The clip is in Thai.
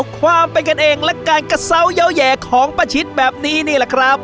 ความเป็นกันเองและการกระเศร้ายาวแห่ของป้าชิดแบบนี้นี่แหละครับ